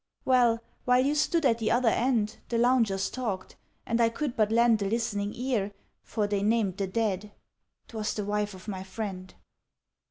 "Well, while you stood at the other end, The loungers talked, and I could but lend A listening ear, For they named the dead. 'Twas the wife of my friend.